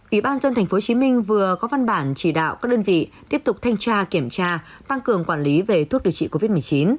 ủy ban dân tp hcm vừa có văn bản chỉ đạo các đơn vị tiếp tục thanh tra kiểm tra tăng cường quản lý về thuốc điều trị covid một mươi chín